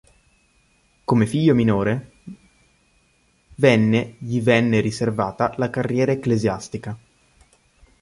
Come figlio minore venne gli venne riservata la carriera ecclesiastica.